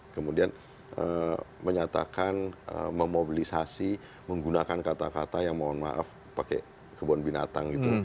kemudian menyatakan memobilisasi menggunakan kata kata yang mohon maaf pakai kebun binatang gitu